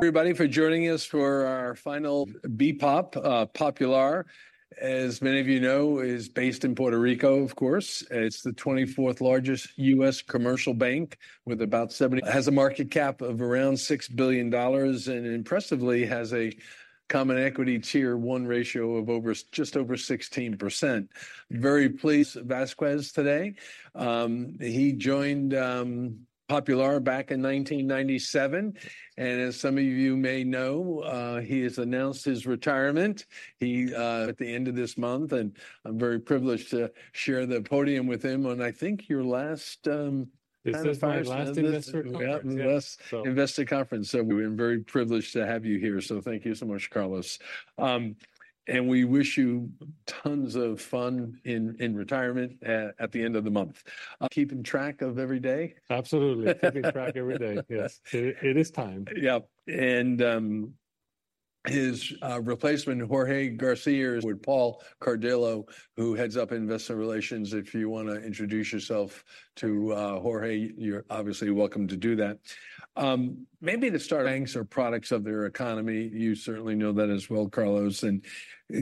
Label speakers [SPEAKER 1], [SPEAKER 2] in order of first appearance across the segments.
[SPEAKER 1] Everybody, for joining us for our final BPOP. Popular, as many of you know, is based in Puerto Rico, of course. It's the 24th largest U.S. commercial bank, with about 70 has a market cap of around $6 billion, and impressively has a Common Equity Tier 1 ratio of just over 16%. Very pleased, Vázquez, today. He joined Popular back in 1997, and as some of you may know, he has announced his retirement. He, at the end of this month, and I'm very privileged to share the podium with him on, I think, your last investor conference.
[SPEAKER 2] This is my last investor conference.
[SPEAKER 1] Yeah, last investor conference. So we're very privileged to have you here, so thank you so much, Carlos. We wish you tons of fun in, in retirement, at the end of the month. Keeping track of every day?
[SPEAKER 2] Absolutely. Keeping track every day, yes. It is time.
[SPEAKER 1] Yep. And his replacement, Jorge García, is with Paul Cardillo, who heads up investor relations. If you want to introduce yourself to Jorge, you're obviously welcome to do that. Maybe to start. Banks are products of their economy. You certainly know that as well, Carlos. And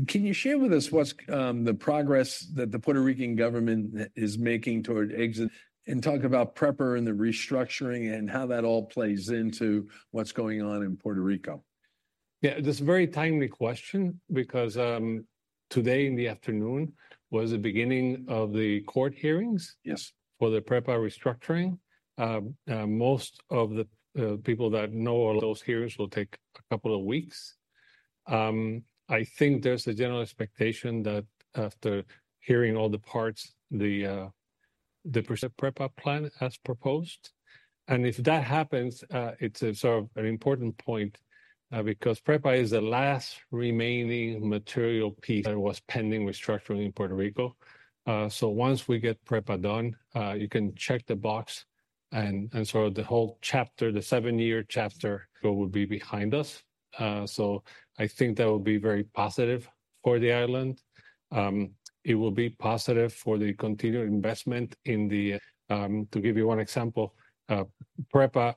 [SPEAKER 1] can you share with us what's the progress that the Puerto Rican government is making toward exit and talk about PREPA and the restructuring and how that all plays into what's going on in Puerto Rico?
[SPEAKER 2] Yeah, that's a very timely question because, today in the afternoon was the beginning of the court hearings.
[SPEAKER 1] Yes.
[SPEAKER 2] For the PREPA restructuring, most of the people that know all those hearings will take a couple of weeks. I think there's a general expectation that after hearing all the parts, the PREPA plan as proposed, and if that happens, it's a sort of an important point, because PREPA is the last remaining material piece that was pending restructuring in Puerto Rico. So once we get PREPA done, you can check the box and sort of the whole chapter, the seven-year chapter, will be behind us. So I think that will be very positive for the island. It will be positive for the continued investment in the, to give you one example, PREPA,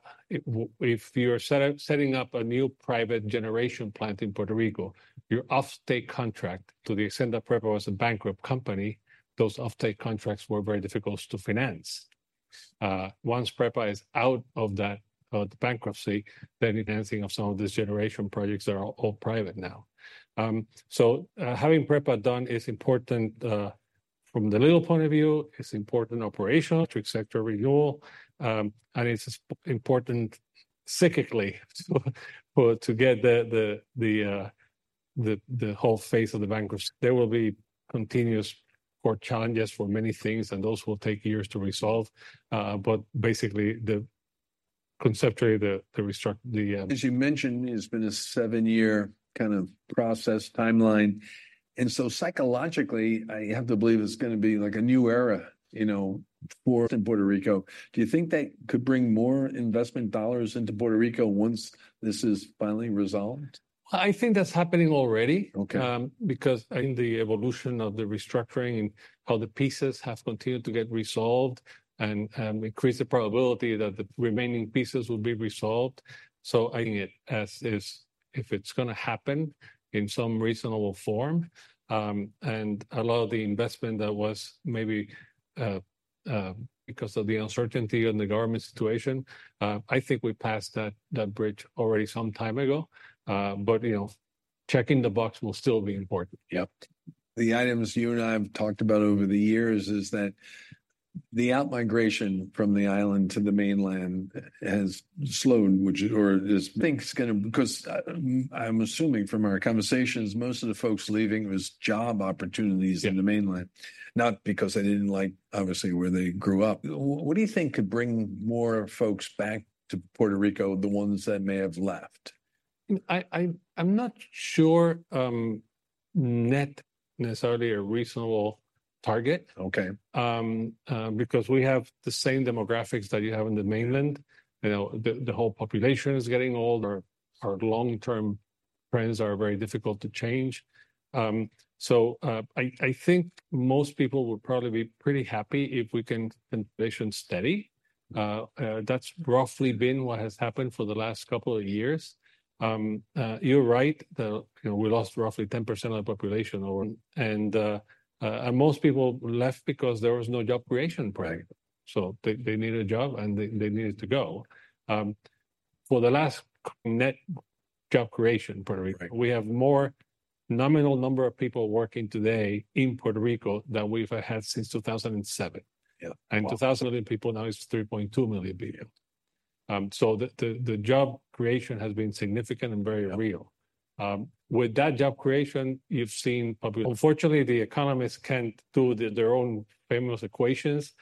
[SPEAKER 2] if you're setting up a new private generation plant in Puerto Rico, your off-take contract, to the extent that PREPA was a bankrupt company, those off-take contracts were very difficult to finance. Once PREPA is out of that bankruptcy, then financing of some of these generation projects that are all private now. So, having PREPA done is important from the legal point of view. It's important operational. Electric sector renewal. And it's important cyclically to get the whole phase of the bankruptcy. There will be continuous court challenges for many things, and those will take years to resolve. But basically, conceptually, the restructuring.
[SPEAKER 1] As you mentioned, it's been a 7-year kind of process timeline. And so psychologically, I have to believe it's going to be like a new era, you know, for Puerto Rico. Do you think that could bring more investment dollars into Puerto Rico once this is finally resolved?
[SPEAKER 2] I think that's happening already.
[SPEAKER 1] Okay.
[SPEAKER 2] because I think the evolution of the restructuring and how the pieces have continued to get resolved and increase the probability that the remaining pieces will be resolved. So I think it as is, if it's going to happen in some reasonable form. And a lot of the investment that was maybe because of the uncertainty in the government situation, I think we passed that bridge already some time ago. But you know, checking the box will still be important.
[SPEAKER 1] Yep. The items you and I have talked about over the years is that the outmigration from the island to the mainland has slowed, which it is. I think it's going to because I'm assuming from our conversations, most of the folks leaving was job opportunities in the mainland, not because they didn't like, obviously, where they grew up. What do you think could bring more folks back to Puerto Rico, the ones that may have left?
[SPEAKER 2] I'm not sure, not necessarily a reasonable target.
[SPEAKER 1] Okay.
[SPEAKER 2] Because we have the same demographics that you have in the mainland. You know, the whole population is getting old. Our long-term trends are very difficult to change. So, I think most people would probably be pretty happy if we can keep the population steady. That's roughly been what has happened for the last couple of years. You're right that, you know, we lost roughly 10% of the population over. And most people left because there was no job creation program. So they needed a job, and they needed to go. For the last net job creation in Puerto Rico, we have a more nominal number of people working today in Puerto Rico than we've had since 2007.
[SPEAKER 1] Yeah.
[SPEAKER 2] 2007 people now is 3.2 million people. So the job creation has been significant and very real. With that job creation, you've seen population. Unfortunately, the economists can't do their own famous equations,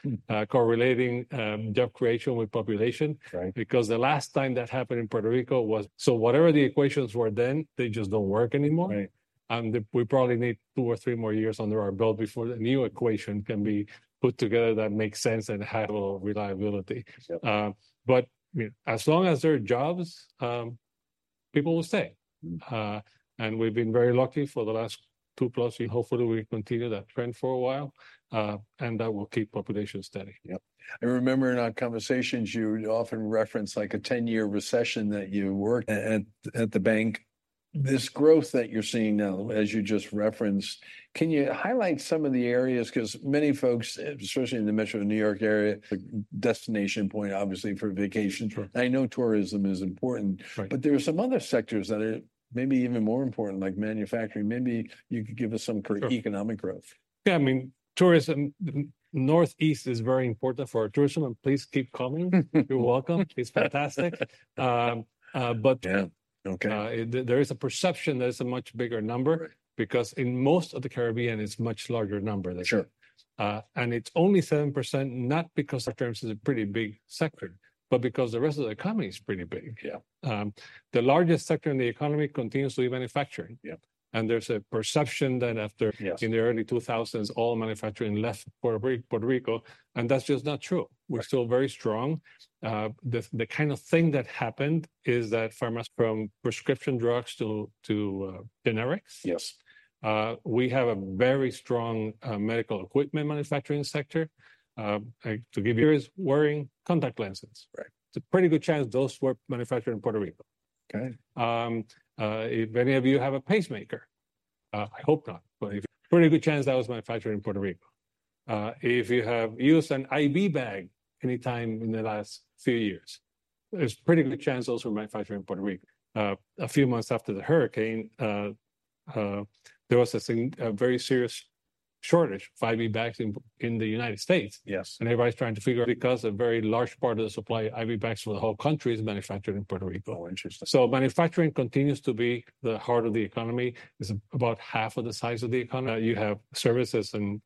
[SPEAKER 2] correlating job creation with population.
[SPEAKER 1] Right.
[SPEAKER 2] Because the last time that happened in Puerto Rico was. So whatever the equations were then, they just don't work anymore.
[SPEAKER 1] Right.
[SPEAKER 2] We probably need two or three more years under our belt before the new equation can be put together that makes sense and has reliability.
[SPEAKER 1] Yep.
[SPEAKER 2] But as long as there are jobs, people will stay. And we've been very lucky for the last two plus. Hopefully, we continue that trend for a while, and that will keep population steady.
[SPEAKER 1] Yep. I remember in our conversations, you often referenced like a 10-year recession that you worked at the bank. This growth that you're seeing now, as you just referenced, can you highlight some of the areas? Because many folks, especially in the Metro New York area, destination point, obviously, for vacation.
[SPEAKER 2] Sure.
[SPEAKER 1] I know tourism is important.
[SPEAKER 2] Right.
[SPEAKER 1] But there are some other sectors that are maybe even more important, like manufacturing. Maybe you could give us some economic growth.
[SPEAKER 2] Yeah, I mean, tourism. Northeast is very important for our tourism, and please keep coming. You're welcome. It's fantastic.
[SPEAKER 1] Yeah. Okay.
[SPEAKER 2] There is a perception that it's a much bigger number because in most of the Caribbean, it's a much larger number.
[SPEAKER 1] Sure.
[SPEAKER 2] and it's only 7%, not because short-term is a pretty big sector, but because the rest of the economy is pretty big.
[SPEAKER 1] Yeah.
[SPEAKER 2] The largest sector in the economy continues to be manufacturing.
[SPEAKER 1] Yep.
[SPEAKER 2] There's a perception that after.
[SPEAKER 1] Yes.
[SPEAKER 2] In the early 2000s, all manufacturing left Puerto Rico, and that's just not true. We're still very strong. The kind of thing that happened is that pharmaceuticals from prescription drugs to generics.
[SPEAKER 1] Yes.
[SPEAKER 2] We have a very strong medical equipment manufacturing sector. To give you a hint, there are wearing contact lenses.
[SPEAKER 1] Right.
[SPEAKER 2] It's a pretty good chance those were manufactured in Puerto Rico.
[SPEAKER 1] Okay.
[SPEAKER 2] If any of you have a pacemaker, I hope not, but pretty good chance that was manufactured in Puerto Rico. If you have used an IV bag anytime in the last few years, there's a pretty good chance those were manufactured in Puerto Rico. A few months after the hurricane, there was a very serious shortage of IV bags in the United States.
[SPEAKER 1] Yes.
[SPEAKER 2] Everybody's trying to figure out because a very large part of the supply of IV bags for the whole country is manufactured in Puerto Rico.
[SPEAKER 1] Oh, interesting.
[SPEAKER 2] Manufacturing continues to be the heart of the economy. It's about half of the size of the economy. You have services and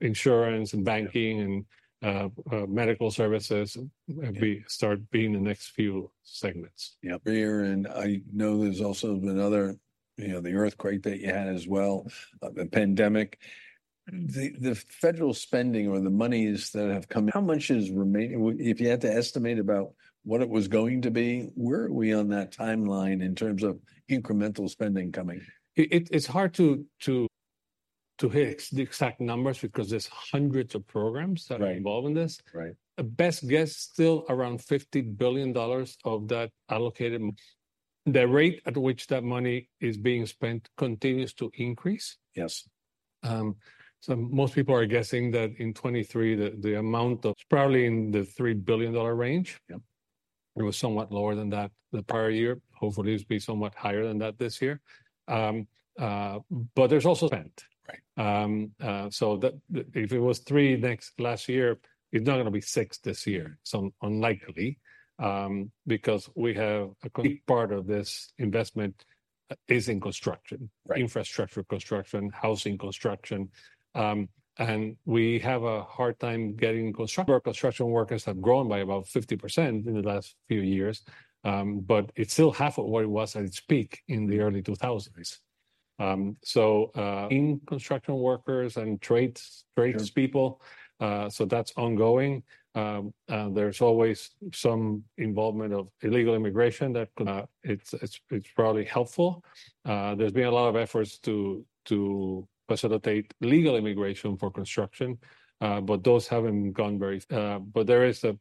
[SPEAKER 2] insurance and banking and medical services start being the next few segments.
[SPEAKER 1] Yeah. Here, and I know there's also been other, you know, the earthquake that you had as well, the pandemic. The federal spending or the monies that have come, how much is remaining? If you had to estimate about what it was going to be, where are we on that timeline in terms of incremental spending coming?
[SPEAKER 2] It's hard to hitch the exact numbers because there's hundreds of programs that are involved in this.
[SPEAKER 1] Right. Right.
[SPEAKER 2] Best guess, still around $50 billion of that allocated. The rate at which that money is being spent continues to increase.
[SPEAKER 1] Yes.
[SPEAKER 2] So most people are guessing that in 2023, the amount of it's probably in the $3 billion range.
[SPEAKER 1] Yep.
[SPEAKER 2] It was somewhat lower than that the prior year. Hopefully, it'll be somewhat higher than that this year. But there's also spent.
[SPEAKER 1] Right.
[SPEAKER 2] So that if it was 3% last year, it's not going to be 6% this year. It's unlikely, because we have a big part of this investment is in construction.
[SPEAKER 1] Right.
[SPEAKER 2] Infrastructure construction, housing construction. We have a hard time getting construction. Our construction workers have grown by about 50% in the last few years, but it's still half of what it was at its peak in the early 2000s. So, in construction workers and trades, tradespeople, that's ongoing. There's always some involvement of illegal immigration that. It's probably helpful. There's been a lot of efforts to facilitate legal immigration for construction, but those haven't gone very. But there is a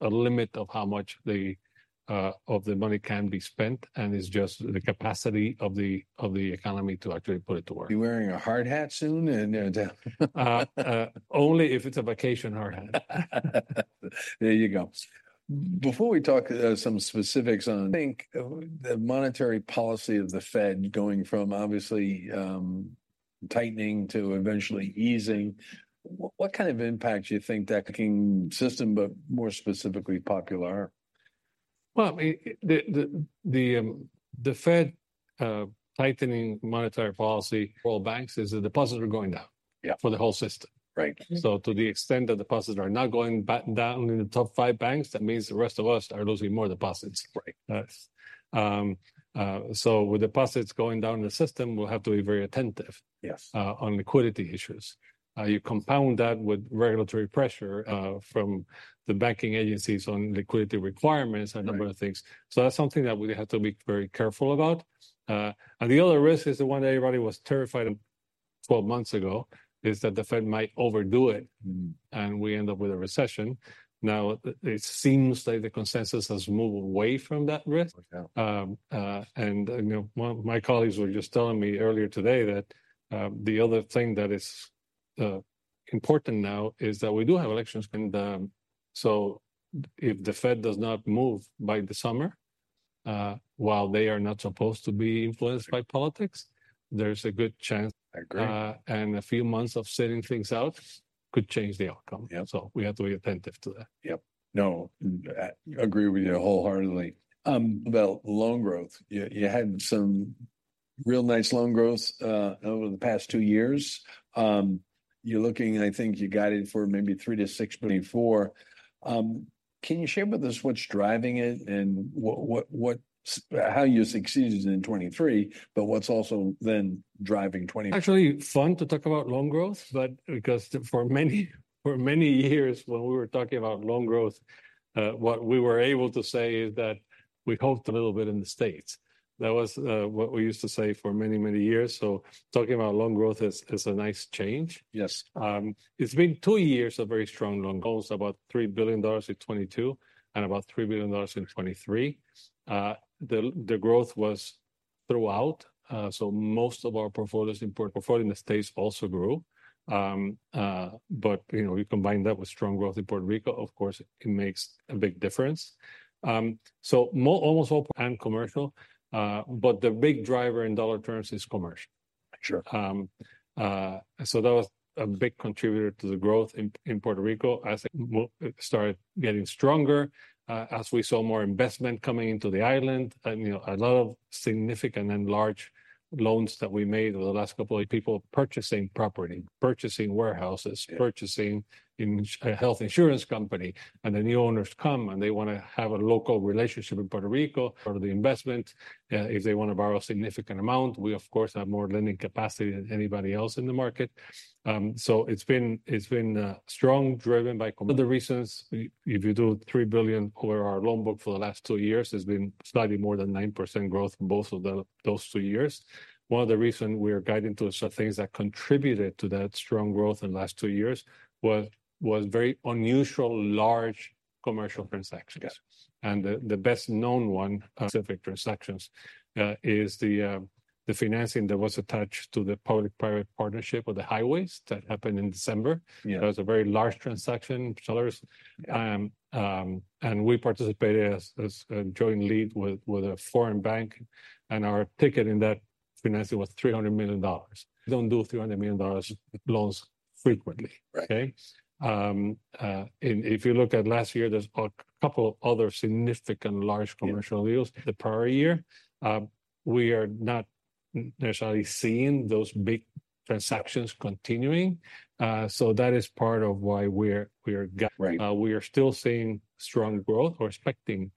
[SPEAKER 2] limit of how much of the money can be spent, and it's just the capacity of the economy to actually put it to work.
[SPEAKER 1] Be wearing a hard hat soon and down.
[SPEAKER 2] only if it's a vacation hard hat.
[SPEAKER 1] There you go. Before we talk, some specifics on. Think the monetary policy of the Fed going from, obviously, tightening to eventually easing, what, what kind of impact do you think that. Banking system, but more specifically Popular?
[SPEAKER 2] Well, I mean, the Fed, tightening monetary policy for all banks is the deposits are going down.
[SPEAKER 1] Yeah.
[SPEAKER 2] For the whole system.
[SPEAKER 1] Right.
[SPEAKER 2] To the extent that deposits are not going back down in the top five banks, that means the rest of us are losing more deposits.
[SPEAKER 1] Right.
[SPEAKER 2] With deposits going down in the system, we'll have to be very attentive.
[SPEAKER 1] Yes.
[SPEAKER 2] On liquidity issues. You compound that with regulatory pressure, from the banking agencies on liquidity requirements and a number of things. So that's something that we have to be very careful about. The other risk is the one that everybody was terrified of 12 months ago is that the Fed might overdo it and we end up with a recession. Now, it seems like the consensus has moved away from that risk.
[SPEAKER 1] Yeah.
[SPEAKER 2] You know, my colleagues were just telling me earlier today that the other thing that is important now is that we do have elections. So if the Fed does not move by the summer, while they are not supposed to be influenced by politics, there's a good chance.
[SPEAKER 1] I agree.
[SPEAKER 2] A few months of sitting things out could change the outcome.
[SPEAKER 1] Yeah.
[SPEAKER 2] We have to be attentive to that.
[SPEAKER 1] Yep. No, I agree with you wholeheartedly about loan growth. You had some real nice loan growth over the past two years. You're looking, I think you got it for maybe 3%-6% 2024. Can you share with us what's driving it and what how you succeeded in 2023, but what's also then driving.
[SPEAKER 2] Actually fun to talk about loan growth, but because for many, for many years when we were talking about loan growth, what we were able to say is that we hoped a little bit in the States. That was, what we used to say for many, many years. So talking about loan growth is, is a nice change.
[SPEAKER 1] Yes.
[SPEAKER 2] It's been two years of very strong loan growth, about $3 billion in 2022 and about $3 billion in 2023. The growth was throughout. So most of our portfolios in the States also grew. But, you know, you combine that with strong growth in Puerto Rico, of course, it makes a big difference. So almost all. And commercial. But the big driver in dollar terms is commercial.
[SPEAKER 1] Sure.
[SPEAKER 2] So that was a big contributor to the growth in Puerto Rico as it started getting stronger, as we saw more investment coming into the island. You know, a lot of significant and large loans that we made over the last couple of years. People purchasing property, purchasing warehouses, purchasing a health insurance company, and the new owners come and they want to have a local relationship in Puerto Rico. Part of the investment. If they want to borrow a significant amount, we, of course, have more lending capacity than anybody else in the market. So it's been strongly driven by other reasons. If you do $3 billion over our loan book for the last two years, there's been slightly more than 9% growth in both of those two years. One of the reasons we are guiding to things that contributed to that strong growth in the last two years was very unusual large commercial transactions.
[SPEAKER 1] Yes.
[SPEAKER 2] The best-known one, specific transactions, is the financing that was attached to the public-private partnership of the highways that happened in December.
[SPEAKER 1] Yeah.
[SPEAKER 2] That was a very large transaction. Dollars, and we participated as a joint lead with a foreign bank, and our ticket in that financing was $300 million. Don't do $300 million loans frequently.
[SPEAKER 1] Right.
[SPEAKER 2] Okay? And if you look at last year, there's a couple of other significant large commercial deals. The prior year, we are not necessarily seeing those big transactions continuing. So that is part of why we're, we are.
[SPEAKER 1] Right.
[SPEAKER 2] We are still seeing strong growth or expecting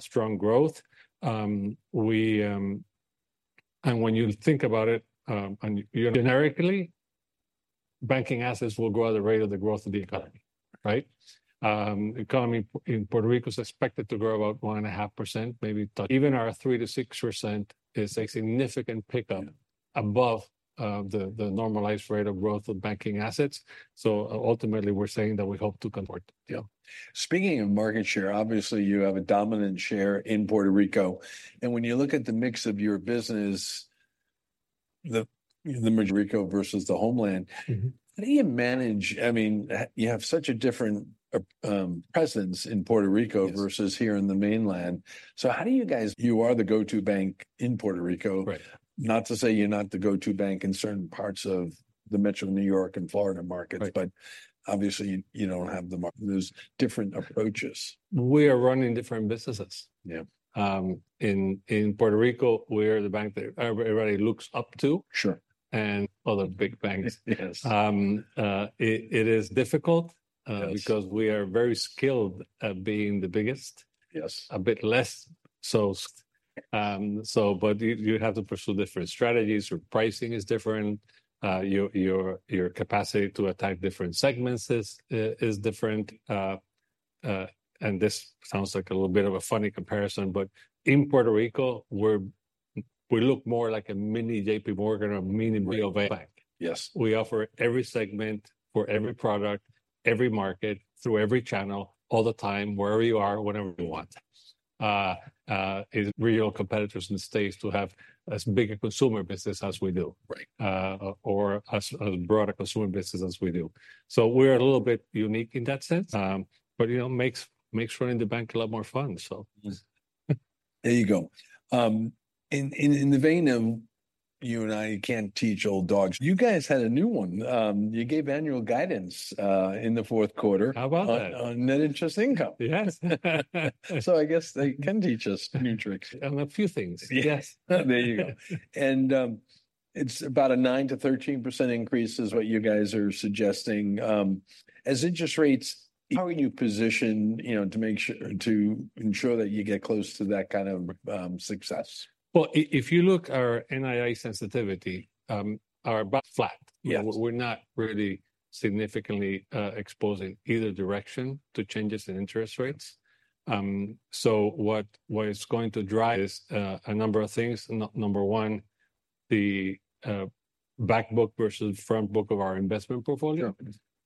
[SPEAKER 2] strong growth. And when you think about it, generically, banking assets will grow at the rate of the growth of the economy, right? The economy in Puerto Rico is expected to grow about 1.5%, maybe touch even our 3%-6% is a significant pickup above the normalized rate of growth of banking assets. So ultimately, we're saying that we hope to. Important.
[SPEAKER 1] Yeah. Speaking of market share, obviously, you have a dominant share in Puerto Rico. And when you look at the mix of your business, Rico versus the homeland, how do you manage? I mean, you have such a different presence in Puerto Rico versus here in the mainland. So how do you guys? You are the go-to bank in Puerto Rico.
[SPEAKER 2] Right.
[SPEAKER 1] Not to say you're not the go-to bank in certain parts of the Metro New York and Florida markets, but obviously, you don't have the. There's different approaches.
[SPEAKER 2] We are running different businesses.
[SPEAKER 1] Yeah.
[SPEAKER 2] In Puerto Rico, we are the bank that everybody looks up to.
[SPEAKER 1] Sure.
[SPEAKER 2] Other big banks.
[SPEAKER 1] Yes.
[SPEAKER 2] It is difficult, because we are very skilled at being the biggest.
[SPEAKER 1] Yes.
[SPEAKER 2] A bit less so. So, but you have to pursue different strategies. Your pricing is different. Your capacity to attack different segments is different. And this sounds like a little bit of a funny comparison, but in Puerto Rico, we look more like a mini JPMorgan or a mini B of A bank.
[SPEAKER 1] Yes.
[SPEAKER 2] We offer every segment for every product, every market, through every channel, all the time, wherever you are, whenever you want. Regional competitors in the States to have as big a consumer business as we do.
[SPEAKER 1] Right.
[SPEAKER 2] or as broad a consumer business as we do. So we are a little bit unique in that sense. But, you know, makes running the bank a lot more fun, so.
[SPEAKER 1] There you go. In the vein of you and I can't teach old dogs. You guys had a new one. You gave annual guidance in the fourth quarter.
[SPEAKER 2] How about that?
[SPEAKER 1] On Net Interest Income.
[SPEAKER 2] Yes.
[SPEAKER 1] So I guess they can teach us new tricks.
[SPEAKER 2] On a few things. Yes.
[SPEAKER 1] There you go. It's about a 9%-13% increase is what you guys are suggesting. As interest rates, how are you positioned, you know, to make sure to ensure that you get close to that kind of success?
[SPEAKER 2] Well, if you look at our NII sensitivity, flat.
[SPEAKER 1] Yes.
[SPEAKER 2] We're not really significantly exposing either direction to changes in interest rates. So what is going to drive is a number of things. Number one, the backbook versus frontbook of our investment portfolio.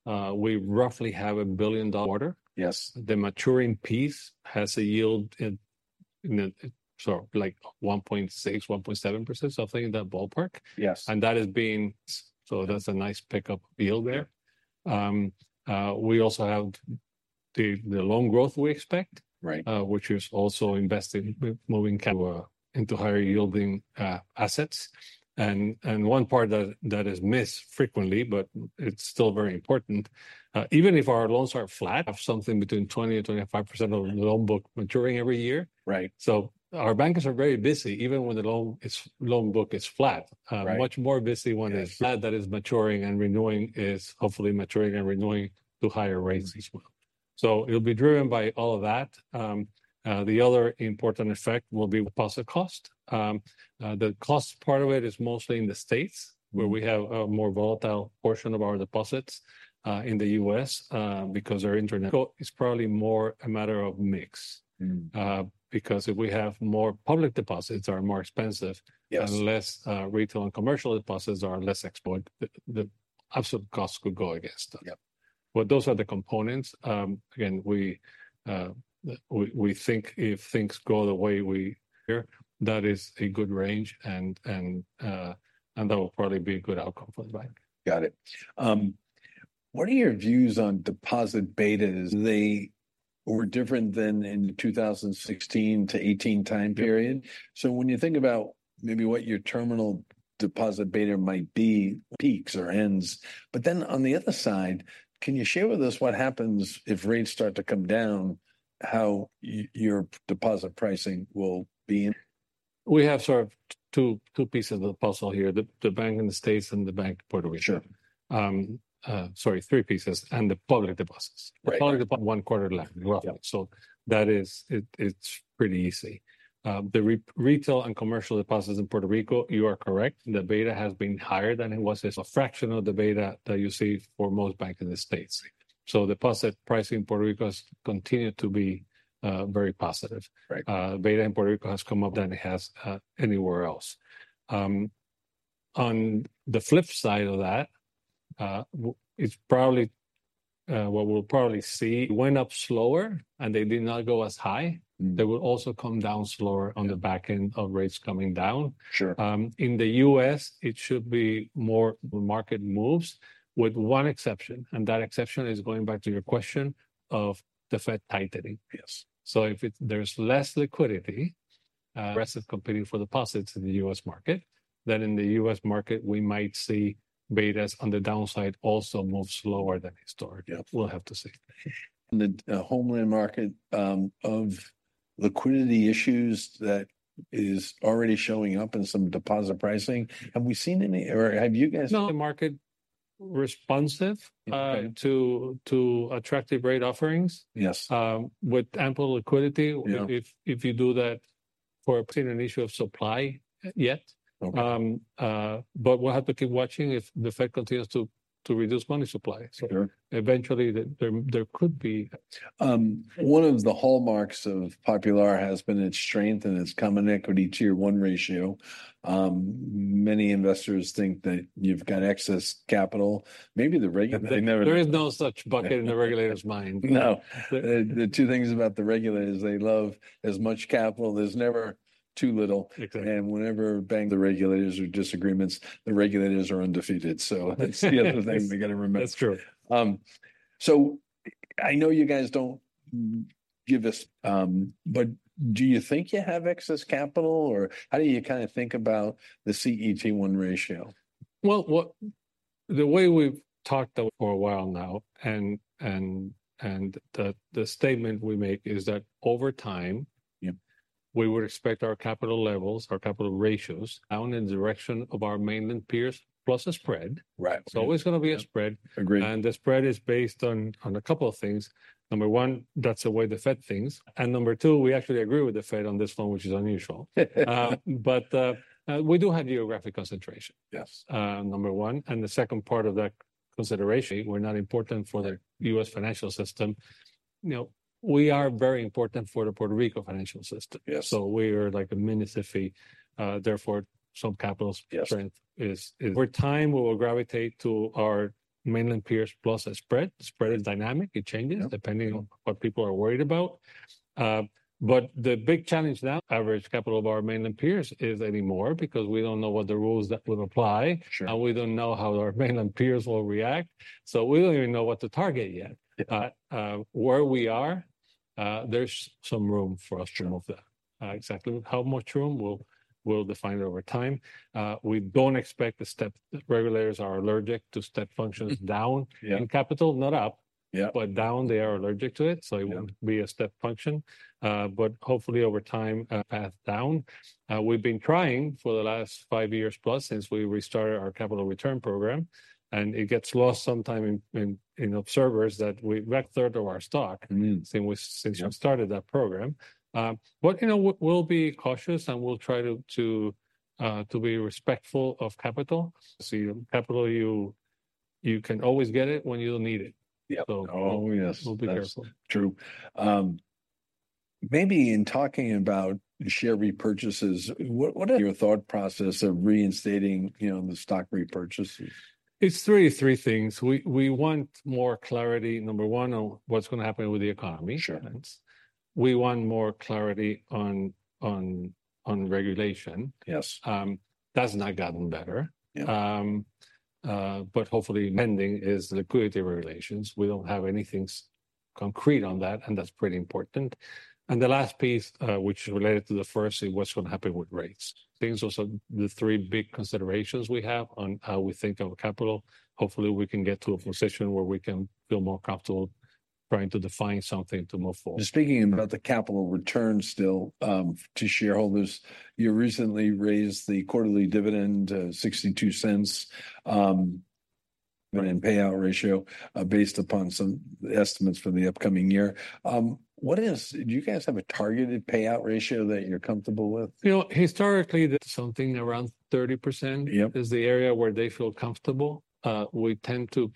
[SPEAKER 1] Sure.
[SPEAKER 2] We roughly have $1 billion quarter.
[SPEAKER 1] Yes.
[SPEAKER 2] The maturing piece has a yield in a, sorry, like 1.6%, 1.7%, something in that ballpark.
[SPEAKER 1] Yes.
[SPEAKER 2] That has been. That's a nice pickup yield there. We also have the loan growth we expect.
[SPEAKER 1] Right.
[SPEAKER 2] Which is also investing, moving to into higher yielding assets. And one part that is missed frequently, but it's still very important. Even if our loans are flat, we have something between 20%-25% of the loan book maturing every year.
[SPEAKER 1] Right.
[SPEAKER 2] So our bankers are very busy even when the loan book is flat. Much more busy when it's flat, that is maturing and renewing is hopefully maturing and renewing to higher rates as well. So it'll be driven by all of that. The other important effect will be deposit cost. The cost part of it is mostly in the States where we have a more volatile portion of our deposits, in the U.S., because our international is probably more a matter of mix. Because if we have more public deposits are more expensive and less, retail and commercial deposits are less expensive, the absolute cost could go against that.
[SPEAKER 1] Yep.
[SPEAKER 2] But those are the components. Again, we think if things go the way we yeah, that is a good range and that will probably be a good outcome for the bank.
[SPEAKER 1] Got it. What are your views on deposit beta? They were different than in the 2016 to 2018 time period. So when you think about maybe what your terminal deposit beta might be. Peaks or ends. But then on the other side, can you share with us what happens if rates start to come down, how your deposit pricing will be?
[SPEAKER 2] We have sort of two, two pieces of the puzzle here. The bank in the States and the bank in Puerto Rico.
[SPEAKER 1] Sure.
[SPEAKER 2] Sorry, three pieces and the public deposits.
[SPEAKER 1] Right.
[SPEAKER 2] Popular. One quarter of the land, roughly. So that is, it, it's pretty easy. The retail and commercial deposits in Puerto Rico, you are correct, the beta has been higher than it was. A fraction of the beta that you see for most banks in the States. So deposit pricing in Puerto Rico has continued to be very positive.
[SPEAKER 1] Right.
[SPEAKER 2] Beta in Puerto Rico has come up than it has anywhere else. On the flip side of that, it's probably what we'll probably see. Went up slower and they did not go as high, they will also come down slower on the back end of rates coming down.
[SPEAKER 1] Sure.
[SPEAKER 2] In the U.S., it should be more. Market moves with one exception. That exception is going back to your question of the Fed tightening.
[SPEAKER 1] Yes.
[SPEAKER 2] So if there's less liquidity, aggressive competing for deposits in the U.S. market, then in the U.S. market, we might see betas on the downside also move slower than historic.
[SPEAKER 1] Yep.
[SPEAKER 2] We'll have to see.
[SPEAKER 1] The homeland market of liquidity issues that is already showing up in some deposit pricing. Have we seen any, or have you guys?
[SPEAKER 2] The market responsive to attractive rate offerings.
[SPEAKER 1] Yes.
[SPEAKER 2] with ample liquidity. If you do that for. Seen an issue of supply yet.
[SPEAKER 1] Okay.
[SPEAKER 2] We'll have to keep watching if the Fed continues to reduce money supply.
[SPEAKER 1] Sure.
[SPEAKER 2] So eventually there could be.
[SPEAKER 1] One of the hallmarks of Popular has been its strength and its Common Equity Tier 1 ratio. Many investors think that you've got excess capital. Maybe the regulators never.
[SPEAKER 2] There is no such bucket in the regulator's mind.
[SPEAKER 1] No. The two things about the regulators is they love as much capital. There's never too little.
[SPEAKER 2] Exactly.
[SPEAKER 1] And whenever banks, the regulators or disagreements, the regulators are undefeated. So that's the other thing we got to remember.
[SPEAKER 2] That's true.
[SPEAKER 1] So, I know you guys don't give us but do you think you have excess capital or how do you kind of think about the CET1 ratio?
[SPEAKER 2] Well, the way we've talked about for a while now and the statement we make is that over time, yeah, we would expect our capital levels, our capital ratios down in the direction of our mainland peers plus a spread.
[SPEAKER 1] Right.
[SPEAKER 2] It's always going to be a spread.
[SPEAKER 1] Agreed.
[SPEAKER 2] The spread is based on a couple of things. Number one, that's the way the Fed thinks. And number two, we actually agree with the Fed on this loan, which is unusual. But we do have geographic concentration.
[SPEAKER 1] Yes.
[SPEAKER 2] Number one. The second part of that consideration. We're not important for the U.S. financial system. You know, we are very important for the Puerto Rico financial system.
[SPEAKER 1] Yes.
[SPEAKER 2] So we are like a mini SIFI. Therefore, some capital strength is. Over time, we will gravitate to our mainland peers plus a spread. The spread is dynamic. It changes depending on what people are worried about. But the big challenge now. Average capital of our mainland peers is anymore because we don't know what the rules that will apply.
[SPEAKER 1] Sure.
[SPEAKER 2] We don't know how our mainland peers will react. So we don't even know what to target yet. Where we are, there's some room for us to move that. Exactly how much room we'll define it over time. We don't expect the step. Regulators are allergic to step functions down in capital, not up, yeah, but down. They are allergic to it. It won't be a step function. But hopefully over time. Path down. We've been trying for the last five years plus since we restarted our capital return program. And it gets lost sometime in observers that we. Third of our stock since we started that program. But, you know, we'll be cautious and we'll try to be respectful of capital. See, capital, you can always get it when you don't need it.
[SPEAKER 1] Yeah.
[SPEAKER 2] So.
[SPEAKER 1] Oh, yes.
[SPEAKER 2] We'll be careful.
[SPEAKER 1] That's true. Maybe in talking about share repurchases, what, what is your thought process of reinstating, you know, the stock repurchases?
[SPEAKER 2] It's really three things. We want more clarity, number one, on what's going to happen with the economy.
[SPEAKER 1] Sure.
[SPEAKER 2] We want more clarity on regulation.
[SPEAKER 1] Yes.
[SPEAKER 2] That's not gotten better.
[SPEAKER 1] Yeah.
[SPEAKER 2] But hopefully. Pending is liquidity regulations. We don't have anything concrete on that, and that's pretty important. The last piece, which is related to the first, is what's going to happen with rates. Things are the three big considerations we have on how we think of capital. Hopefully, we can get to a position where we can feel more comfortable trying to define something to move forward.
[SPEAKER 1] Speaking about the capital return still, to shareholders, you recently raised the quarterly dividend to $0.62, and payout ratio, based upon some estimates for the upcoming year. What is, do you guys have a targeted payout ratio that you're comfortable with?
[SPEAKER 2] You know, historically, something around 30% is the area where they feel comfortable. We tend to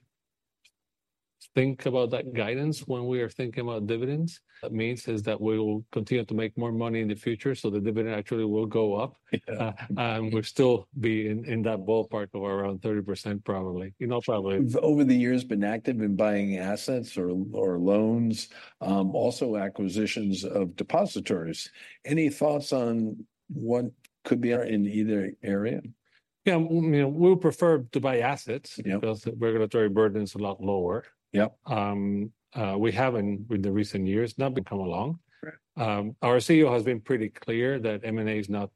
[SPEAKER 2] think about that guidance when we are thinking about dividends. That means is that we will continue to make more money in the future so the dividend actually will go up.
[SPEAKER 1] Yeah.
[SPEAKER 2] We'll still be in that ballpark of around 30% probably. You know, probably.
[SPEAKER 1] Over the years, been active in buying assets or loans, also acquisitions of depositories. Any thoughts on what could be in either area?
[SPEAKER 2] Yeah, you know, we'll prefer to buy assets because the regulatory burden is a lot lower.
[SPEAKER 1] Yep.
[SPEAKER 2] We haven't, in the recent years, come along.
[SPEAKER 1] Right.
[SPEAKER 2] Our CEO has been pretty clear that M&A is not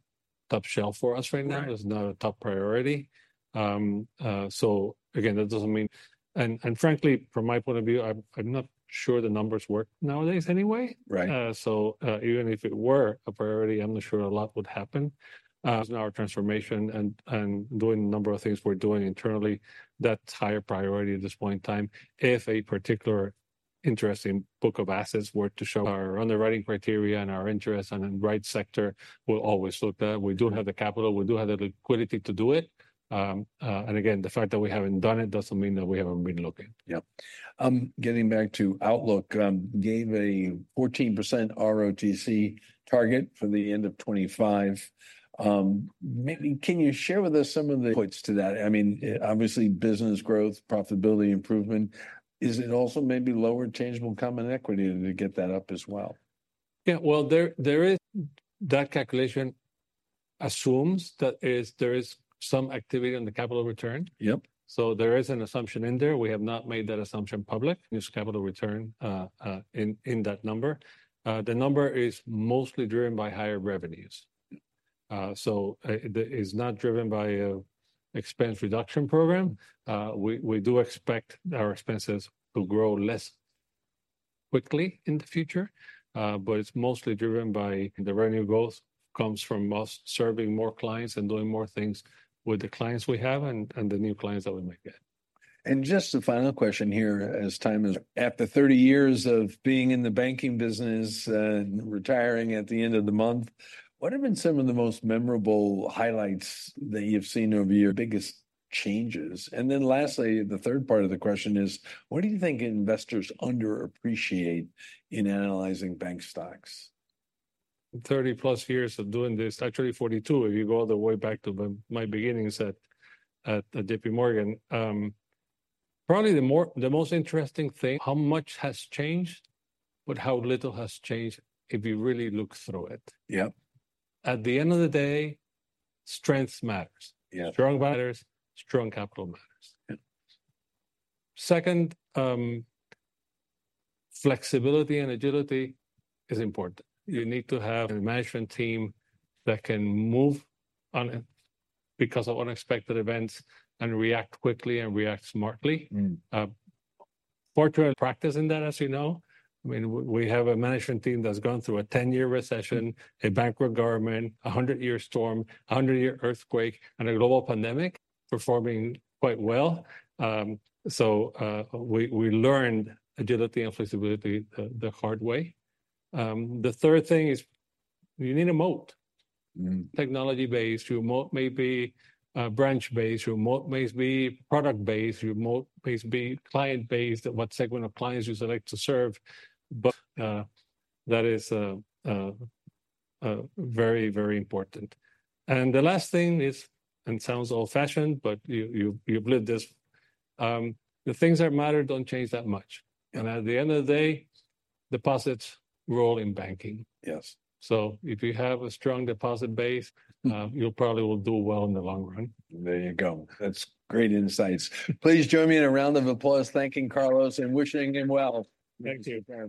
[SPEAKER 2] top shelf for us right now. It's not a top priority. So again, that doesn't mean, and frankly, from my point of view, I'm not sure the numbers work nowadays anyway.
[SPEAKER 1] Right.
[SPEAKER 2] So, even if it were a priority, I'm not sure a lot would happen. Our transformation and, and doing a number of things we're doing internally, that's higher priority at this point in time. If a particular interesting book of assets were to show our underwriting criteria and our interest and the right sector, we'll always look at that. We do have the capital. We do have the liquidity to do it. And again, the fact that we haven't done it doesn't mean that we haven't been looking.
[SPEAKER 1] Yep. Getting back to outlook, gave a 14% ROTCE target for the end of 2025. Maybe can you share with us some of the points to that? I mean, obviously business growth, profitability improvement. Is it also maybe lower tangible common equity to get that up as well?
[SPEAKER 2] Yeah, well, there is. That calculation assumes that there is some activity on the capital return.
[SPEAKER 1] Yep.
[SPEAKER 2] There is an assumption in there. We have not made that assumption public. Use capital return in that number. The number is mostly driven by higher revenues.
[SPEAKER 1] Yeah.
[SPEAKER 2] So it is not driven by an expense reduction program. We do expect our expenses to grow less quickly in the future. But it's mostly driven by the revenue growth comes from us serving more clients and doing more things with the clients we have and the new clients that we might get.
[SPEAKER 1] Just the final question here as time is up. After 30 years of being in the banking business and retiring at the end of the month, what have been some of the most memorable highlights that you've seen over your biggest changes? And then lastly, the third part of the question is, what do you think investors underappreciate in analyzing bank stocks?
[SPEAKER 2] 30+ years of doing this, actually 42 if you go all the way back to my beginnings at J.P. Morgan. Probably the most interesting thing, how much has changed, but how little has changed if you really look through it.
[SPEAKER 1] Yep.
[SPEAKER 2] At the end of the day, strength matters.
[SPEAKER 1] Yeah.
[SPEAKER 2] Strong matters. Strong capital matters.
[SPEAKER 1] Yeah.
[SPEAKER 2] Second, flexibility and agility is important. You need to have a management team that can move on because of unexpected events and react quickly and react smartly. Fortunately, practicing that, as you know, I mean, we have a management team that's gone through a 10-year recession, a bankrupt government, a 100-year storm, a 100-year earthquake, and a global pandemic performing quite well. So, we learned agility and flexibility the hard way. The third thing is you need a moat.
[SPEAKER 1] Mm-hmm.
[SPEAKER 2] Technology-based, remote maybe, branch-based, remote maybe, product-based, remote maybe, client-based at what segment of clients you select to serve. But that is very, very important. And the last thing is, it sounds old-fashioned, but you've lived this. The things that matter don't change that much. And at the end of the day, deposits rule in banking.
[SPEAKER 1] Yes.
[SPEAKER 2] If you have a strong deposit base, you'll probably will do well in the long run.
[SPEAKER 1] There you go. That's great insights. Please join me in a round of applause thanking Carlos and wishing him well.
[SPEAKER 2] Thank you.